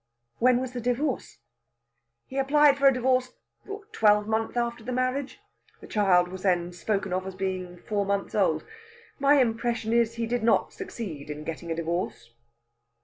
"When was the divorce?" "He applied for a divorce a twelvemonth after the marriage. The child was then spoken of as being four months old. My impression is he did not succeed in getting a divorce."